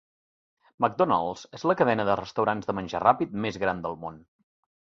McDonald's és la cadena de restaurants de menjar ràpid més gran del món.